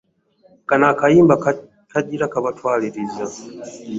Kano akayimba kagira kabatwaliriza.